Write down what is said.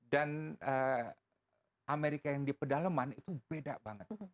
amerika yang di pedaleman itu beda banget